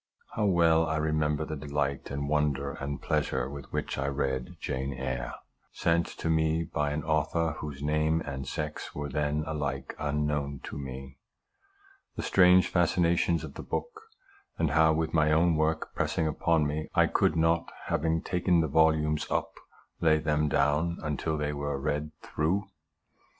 How well I remember the delight, and wonder, and pleasure with which I read Jane Eyre, sent to me by an author whose name and sex were then alike unknown to me ; the strange fas cinations of the book ; and how with my own work pressing upon me, I could not, having taken the volumes up, lay them down until they were read through